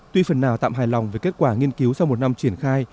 tuy phần nào tạm hài lòng với kết quả nghiên cứu sau một năm triển khai